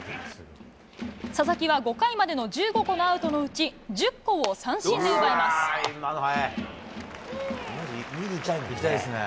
佐々木は５回までの１５個のアウトのうち１０個を三振で奪います。